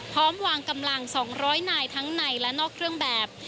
พร้อมวางกำลัง๒๐๐นายทั้งในและนอกเครื่องแบบ